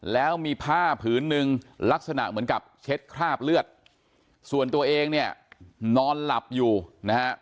แล้วมีผ้าผืนนึงลักษณะเหมือนกับเช็ดคราบเลือดส่วนตัวเองเนี่ยนอนหลับอยู่นะฮะ